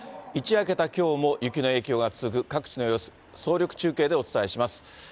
一夜明けたきょうも雪の影響が続く各地の様子、総力中継でお伝えします。